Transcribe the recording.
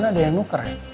jangan ada yang nuker ya